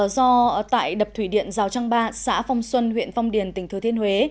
do tại đập thủy điện rào trang ba xã phong xuân huyện phong điền tỉnh thừa thiên huế